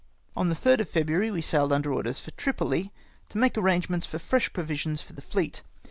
On the 3rd of February we sailed under orders for Tripoli, to make arrangements for fresh provisions for the fleet.